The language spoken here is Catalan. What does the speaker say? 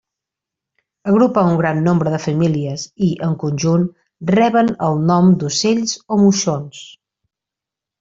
Agrupa un gran nombre de famílies i, en conjunt, reben el nom d'ocells o moixons.